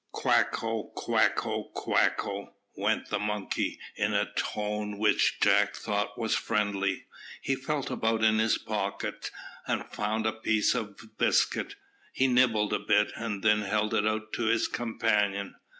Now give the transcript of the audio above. "Quacko, quacko, quacko," went the monkey, in a tone which Jack thought was friendly. He felt about in his pockets, and found a piece of biscuit. He nibbled a bit, and then held it out to his companion.